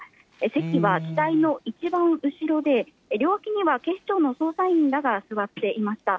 席は機体の一番後ろで、両脇には警視庁の捜査員らが座っていました。